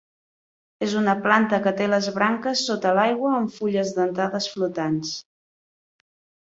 És una planta que té les branques sota l'aigua amb fulles dentades flotants.